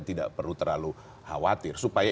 tidak perlu terlalu khawatir supaya